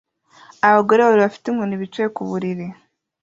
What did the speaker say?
Abagore babiri bafite inkoni bicaye ku buriri